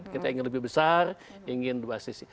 kita ingin lebih besar ingin dua sisi